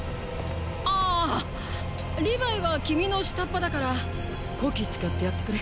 あーリヴァイは君の下っ端だからコキ使ってやってくれ。